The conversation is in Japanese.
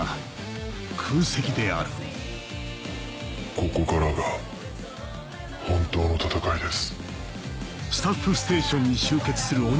ここからが本当の戦いです。